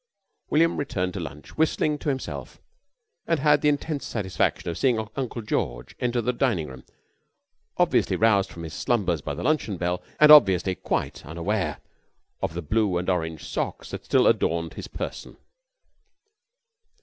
William returned to lunch whistling to himself and had the intense satisfaction of seeing Uncle George enter the dining room, obviously roused from his slumbers by the luncheon bell, and obviously quite unaware of the blue and orange socks that still adorned his person.